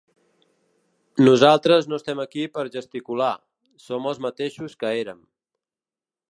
Nosaltres no estem aquí per gesticular, som els mateixos que érem.